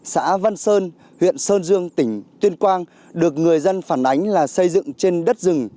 xã văn sơn huyện sơn dương tỉnh tuyên quang được người dân phản ánh là xây dựng trên đất rừng